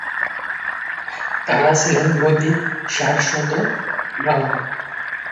তারা ছিলেন বৈদিক সারস্বত ব্রাহ্মণ।